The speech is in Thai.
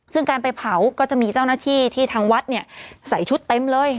ซึ่งการไปเผาก็จะมีเจ้าหน้าที่ที่ทางวัดเนี่ยใส่ชุดเต็มเลย